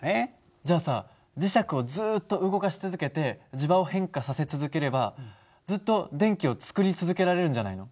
じゃあさ磁石をずっと動かし続けて磁場を変化させ続ければずっと電気を作り続けられるんじゃないの？